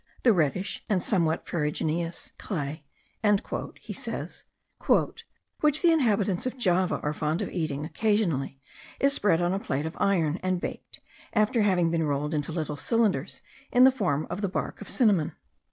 "The reddish and somewhat ferruginous clay," he says "which the inhabitants of Java are fond of eating occasionally, is spread on a plate of iron, and baked, after having been rolled into little cylinders in the form of the bark of cinnamon.